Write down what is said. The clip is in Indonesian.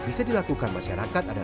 memiliki kemampuan untuk menjaga kemampuan